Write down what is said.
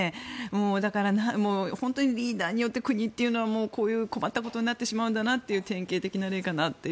だから、本当にリーダーによって国っていうのはこういう困ったことになってしまう典型的な例かなと。